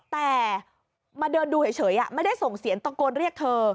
แต่มาเดินดูเฉยไม่ได้ส่งเสียงตะโกนเรียกเธอ